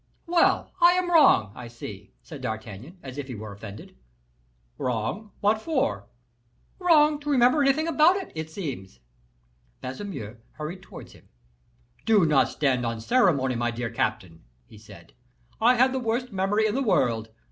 "Well! I am wrong, I see," said D'Artagnan, as if he were offended. "Wrong, what for?" "Wrong to remember anything about it, it seems." Baisemeaux hurried towards him. "Do not stand on ceremony, my dear captain," he said; "I have the worst memory in the world.